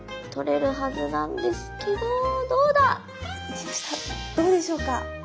どうでしょうか？